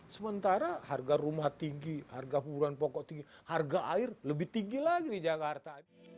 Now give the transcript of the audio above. sementara harga rumah tinggi harga kuburan pokok tinggi harga air lebih tinggi lagi di jakarta